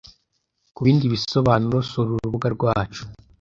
Kubindi bisobanuro, sura urubuga rwacu.